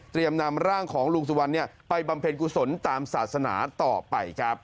นำร่างของลุงสุวรรณไปบำเพ็ญกุศลตามศาสนาต่อไปครับ